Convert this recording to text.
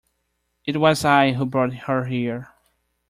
It was I who brought her here.